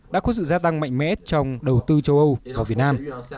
đã có sự gia tăng mạnh mẽ trong đầu tư châu âu vào việt nam